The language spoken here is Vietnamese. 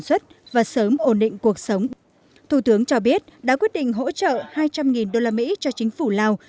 xuất và sớm ổn định cuộc sống thủ tướng cho biết đã quyết định hỗ trợ hai trăm linh usd cho chính phủ lào